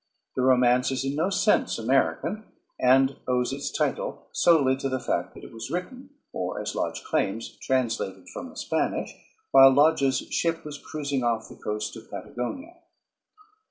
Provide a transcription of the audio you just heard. The romance is in no sense American, and owes its title solely to the fact that it was written, or, as Lodge claims, translated from the Spanish, while Lodge's ship was cruising off the coast of Patagonia.